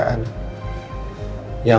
yang membuatku takut